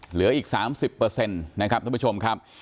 เหลืออีก๓๐นะครับท่านผู้ชมครับ